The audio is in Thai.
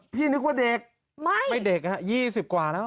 พี่นึกว่าเด็กไม่เด็กฮะยี่สิบกว่าแล้ว